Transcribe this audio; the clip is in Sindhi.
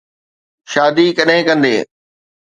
شادي ڪڏھن ڪندين؟